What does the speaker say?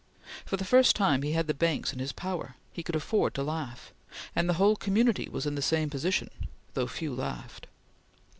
For the first time he had the banks in his power; he could afford to laugh; and the whole community was in the same position, though few laughed.